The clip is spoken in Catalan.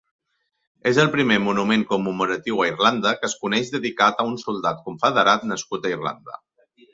És el primer monument commemoratiu a Irlanda que es coneix dedicat a un soldat confederat nascut a Irlanda.